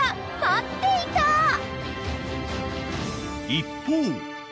［一方］